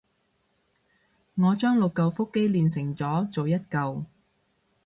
我將六舊腹肌鍊成咗做一舊